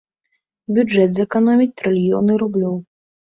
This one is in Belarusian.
Бюджэт зэканоміць трыльёны рублёў.